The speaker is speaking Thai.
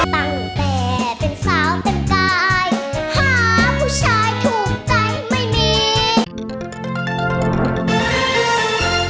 ตั้งแต่เป็นสาวเป็นกายหาผู้ชายถูกใจไม่มี